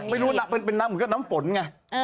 ไม่รู้นะเป็นน้ำเหมือนกับน้ำฝนไง